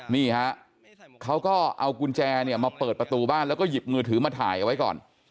นี่ฮะเขาก็เอากุญแจเนี่ยมาเปิดประตูบ้านแล้วก็หยิบมือถือมาถ่ายเอาไว้ก่อน